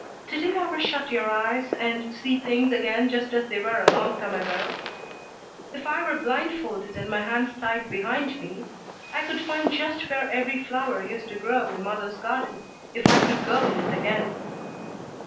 Did you ever shut your eyes and see things again just as they were a long time ago? If I were blind folded and my hands tied behind me I could find just where every flower used to grow in mother's garden, if I could go in it again."